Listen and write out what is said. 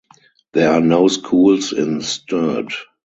There are no schools in Sturt.